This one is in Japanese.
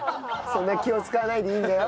そんな気を使わないでいいんだよ。